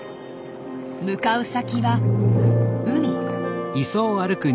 向かう先は海。